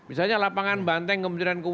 misalnya lapangan banteng kementerian keuangan